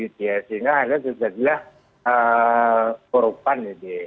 sehingga ada kejadiannya korupan